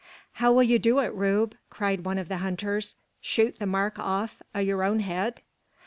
"How will you do it, Rube?" cried one of the hunters; "shoot the mark off a yer own head?"